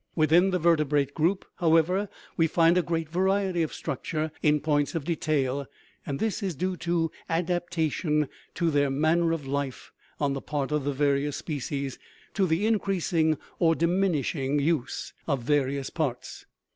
Within the vertebrate group, however, we find a great variety of structure in points of detail, and this is due to adaptation to their manner of life on the part of the various species, to the increasing or diminishing use of various parts.